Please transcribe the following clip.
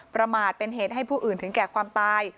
ประมาทเป็นเหตุให้ผู้อื่นถึงแก่ความตาย